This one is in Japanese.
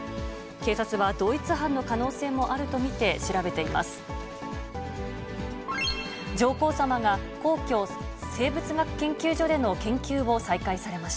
警察は同一犯の可能性もあると見て、調べています。